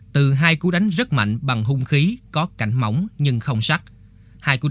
thôi nào giờ cũng không có nhau